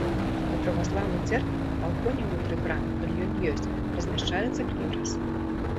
У праваслаўных цэрквах на балконе ўнутры храма, калі ён ёсць, размяшчаецца клірас.